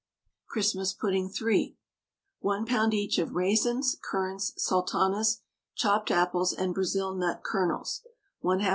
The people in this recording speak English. CHRISTMAS PUDDING (3). 1 lb. each of raisins, currants, sultanas, chopped apples, and Brazil nut kernels; 1/2 lb.